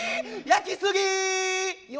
焼きすぎ！